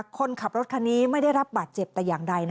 คนขับรถคันนี้ไม่ได้รับบาดเจ็บแต่อย่างใด